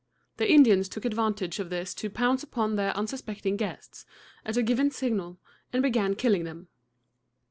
The Indians took advantage of this to pounce upon their unsuspecting guests, at a given signal, and began killing them.